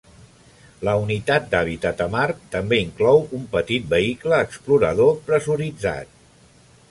La Unitat d'Hàbitat a Mart també inclou un petit vehicle explorador pressuritzat.